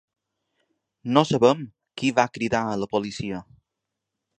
No sabem qui va cridar a la policia.